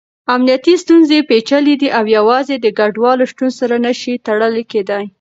امنیتي ستونزې پېچلې دي او يوازې د کډوالو شتون سره نه شي تړل کېدای.